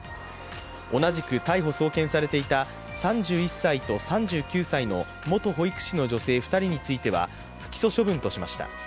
同じく逮捕、送検されていた３１歳と３９歳の元保育士の女性２人については不起訴処分としました。